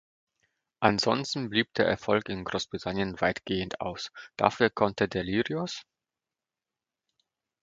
Ansonsten blieb der Erfolg in Großbritannien weitgehend aus, dafür konnte Delirious?